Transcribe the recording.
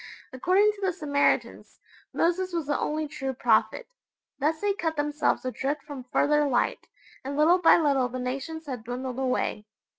According to the Samaritans, Moses was the only true prophet. Thus they cut themselves adrift from further light, and little by little the nations had dwindled away.